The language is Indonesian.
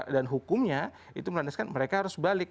dan hukumnya itu merandaskan mereka harus balik